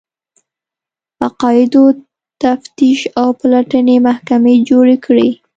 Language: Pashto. عقایدو تفتیش او پلټنې محکمې جوړې کړې